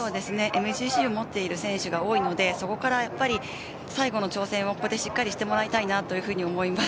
ＭＧＣを持っている選手が多いので最後の調整をしっかりとしてもらいたいなと思います。